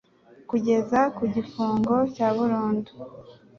kugeza ku gifungo cya burundu